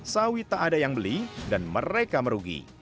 sawit tak ada yang beli dan mereka merugi